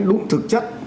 đúng thực chất